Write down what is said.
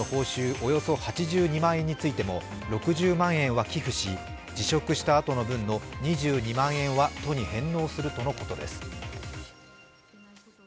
およそ８２万円についても６０万円は寄付し辞職したあとの分の２２万円は都に返納するとのことです。